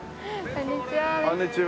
こんにちは。